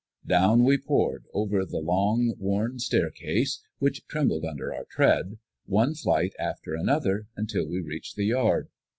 Down we poured over the long, worn staircase, which trembled under our tread, one flight after another, until we reached the yard.